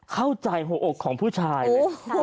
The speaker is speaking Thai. เข้าใจหกของผู้ชายเลย